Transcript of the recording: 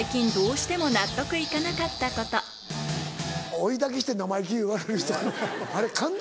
追いだきして「生意気」言われる人あれ感動